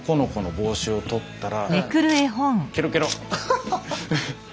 帽子を取ったら。